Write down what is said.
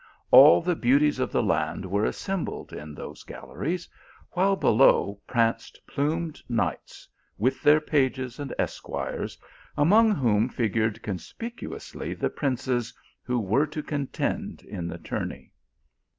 All the beauties of the land were assembled in those galleries, while below pranced plumed knights with their pages and es quires, among whom figured conspicuously the princes who were to contend in the tourney.